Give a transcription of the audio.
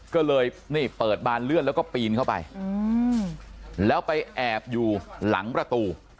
ก็เลยนี่เปิดบานเลื่อนแล้วก็ปีนเข้าไปแล้วไปแอบอยู่หลังประตู